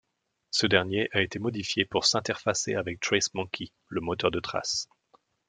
Ce dernier a été modifié pour s'interfacer avec TraceMonkey, le moteur de traces.